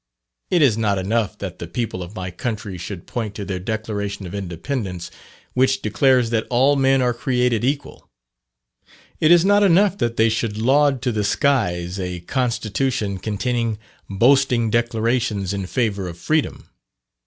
It is not enough that the people of my country should point to their Declaration of Independence which declares that "all men are created equal." It is not enough that they should laud to the skies a constitution containing boasting declarations in favour of freedom.